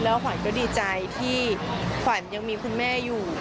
แล้วควันก็ดีใจที่ควันยังมีคุณแม่อยู่